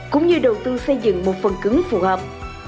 cũng như đầu tư xây dựng một phần cứng phù hợp